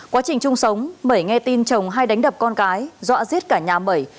quá trình chung sống mẩy nghe tin chồng hay đánh đập con cái dọa giết cả nhà mẩy